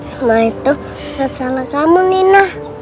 semua itu masalah kamu nina